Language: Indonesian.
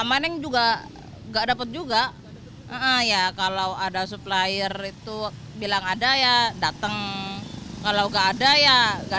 paning juga gak dapet juga ya kalau ada supplier itu bilang ada ya dateng kalau gak ada ya gak